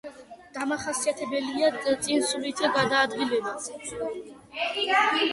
დამახასიათებელია წინსვლითი გადაადგილება.